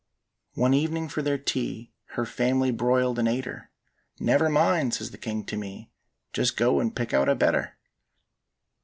"One evening for their tea Her family broiled and ate her; 'Never mind!' says the king to me, 'Just go and pick out a better.